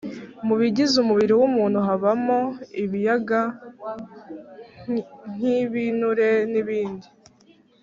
mu bigize umubiri w’umuntu habamo ibiyaga nk’ibinure n’ibindi